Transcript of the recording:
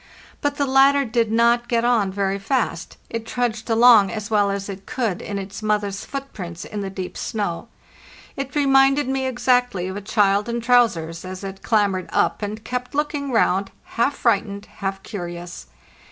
But the latter did not get on very fast; it trudged along as well as it could in its mother's footprints in the deep snow. It reminded me exactly of a child in trousers, as it clambered up and kept looking round, half frightened, half curious.